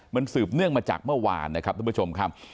มันสืบเนื่องมาจากเมื่อวานนะครับทุกผู้ชมครับ